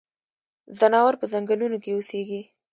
ځناور پۀ ځنګلونو کې اوسيږي.